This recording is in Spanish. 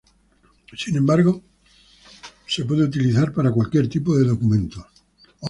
Sin embargo, puede ser utilizada para cualquier tipo de documento.